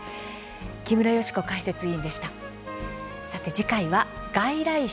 木村祥子解説委員でした。